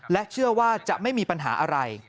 เชื่อว่าจะไม่มีปัญหาอะไร